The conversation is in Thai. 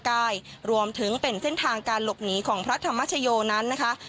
วัดพระธรรมกายรวมถึงเป็นเส้นทางการหลบหนีของพระธรรมชโยนั้นนะคะ